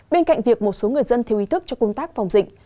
bên cạnh việc một số người dân thiếu ý thức cho công tác phòng dịch